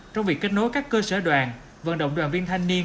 trong việc kết nối các cơ sở đoàn vận động đoàn viên thanh niên